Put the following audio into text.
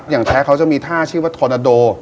อย่างแท้เขาจะมีท่าชื่อว่าทอนาโด